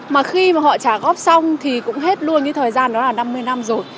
mà khi mà họ trả góp xong thì cũng hết luôn cái thời gian đó là năm mươi năm rồi